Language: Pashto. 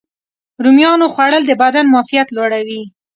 رومیانو خوړل د بدن معافیت لوړوي.